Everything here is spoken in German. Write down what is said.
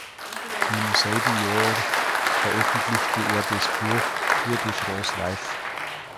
Im selben Jahr veröffentlichte er das Buch "Tour de France live!